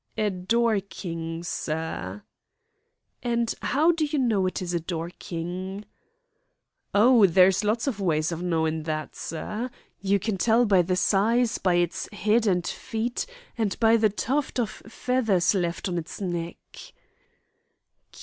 "A dorking, sir." "And how do you know it is a dorking?" "Oh, there's lots of ways of knowin' that, sir. You can tell by the size, by its head and feet, and by the tuft of feathers left on its neck."